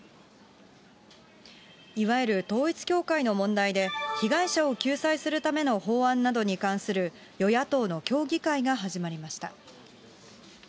いわゆる統一教会の問題で、被害者を救済するための法案などに関する、与野党の協議会が始まりました。